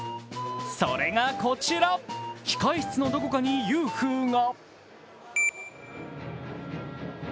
それがこちら、控え室のどこかにユーフーが。